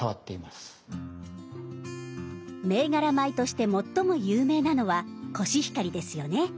銘柄米として最も有名なのはコシヒカリですよね。